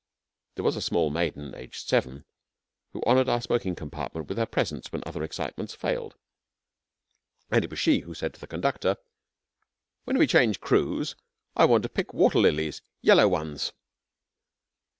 There was a small maiden aged seven, who honoured our smoking compartment with her presence when other excitements failed, and it was she that said to the conductor, 'When do we change crews? I want to pick water lilies yellow ones.'